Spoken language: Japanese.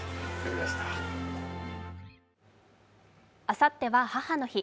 あさっては母の日。